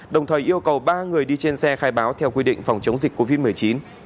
đồng thời yêu cầu ba người đi trên xe khai báo theo quy định phòng chống dịch covid một mươi chín